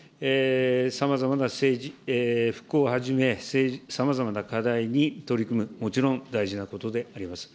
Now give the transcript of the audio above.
さまざまな政治、復興をはじめ、さまざまな課題に取り組む、もちろん大事なことであります。